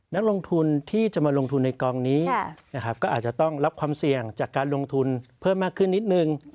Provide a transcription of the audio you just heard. นักลงทุนที่จะมาลงทุนในกองนี้นะครับก็อาจจะต้องรับความเสี่ยงจากการลงทุนเพิ่มมากขึ้นนิดนึง